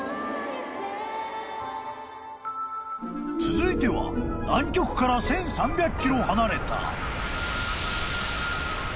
［続いては南極から１，３００ｋｍ離れた］